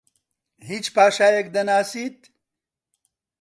هیچ پاشایەک دەناسیت؟